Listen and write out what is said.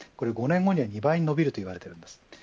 ５年後には２倍に伸びるといわれています。